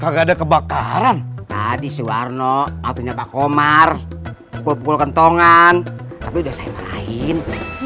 kebakaran kebakaran tadi si warno matunya pak komar pukul pukul kentongan tapi udah saya marahin